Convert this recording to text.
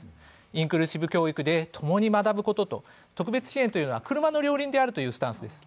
インクルーシブ教育で共に学ぶことと特別支援というのは車の両輪であるというスタンスです。